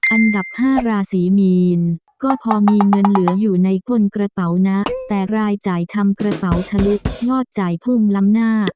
อันดับ๕ราศีมีนก็พอมีเงินเหลืออยู่ในคนกระเป๋านะแต่รายจ่ายทำกระเป๋าทะลุยอดจ่ายพุ่งล้ำหน้า